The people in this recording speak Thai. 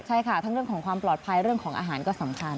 ใช่ค่ะทั้งเรื่องของความปลอดภัยเรื่องของอาหารก็สำคัญ